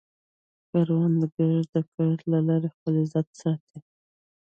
کروندګر د کار له لارې خپل عزت ساتي